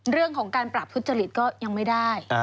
เรื่องของการปราบทุจริตก็ยังไม่ได้